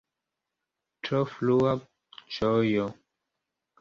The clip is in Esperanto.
Tro frua ĝojo!